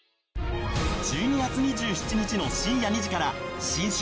１２月２７日の深夜２時から『新春！